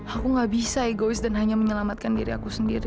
aku gak bisa egois dan hanya menyelamatkan diri aku sendiri